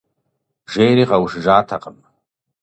Жейри, къэушыжатэкъым…